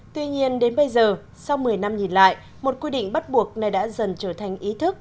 tuy nhiên đến bây giờ sau một mươi năm nhìn lại một quy định bắt buộc này đã dần trở thành ý thức